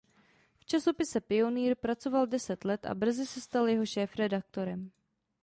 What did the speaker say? V časopise "Pionýr" pracoval deset let a brzy se stal jeho šéfredaktorem.